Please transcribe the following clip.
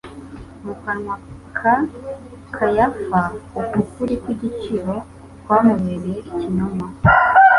Mu kanwa ka Kayafa, uku kuri kw'igiciro kwamubereye ikinyoma.